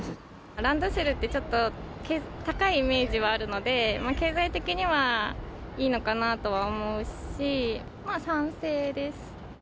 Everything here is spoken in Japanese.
ランドセルって、ちょっと高いイメージはあるので、経済的にはいいのかなとは思うし、まあ、賛成です。